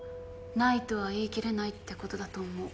ないとは言い切れないってことだと思う。